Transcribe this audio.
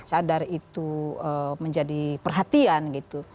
cadar itu menjadi perhatian gitu